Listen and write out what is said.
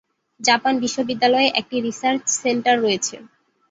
Japan বিশ্ববিদ্যালয়ে একটি research centre রয়েছে।